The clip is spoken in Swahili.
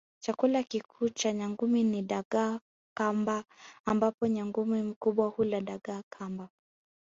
Chakula kikuu cha nyangumi ni dagaa kamba ambapo nyangumi mkubwa hula dagaa kamba